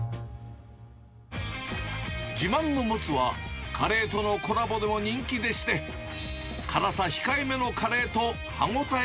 自慢のもつは、カレーとのコラボでも人気でして、辛さ控えめのカレーと歯応え